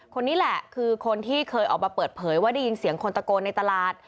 คนนี้แหละคือคนที่เคยออกมาเปิดเผยว่าได้ยินเสียงคนตะโกนในตลาด